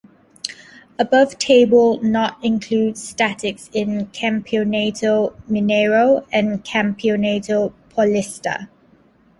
Above table not include statics in Campeonato Mineiro and Campeonato Paulista.